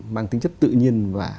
mang tính chất tự nhiên và